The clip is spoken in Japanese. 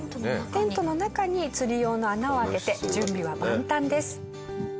テントの中に釣り用の穴をあけて準備は万端です。